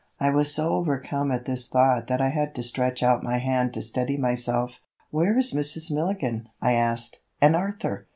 I was so overcome at this thought that I had to stretch out my hand to steady myself. "Where is Mrs. Milligan?" I asked, "and Arthur?"